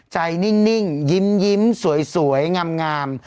นิ่งยิ้มสวยงาม